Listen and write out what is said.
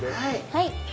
はい！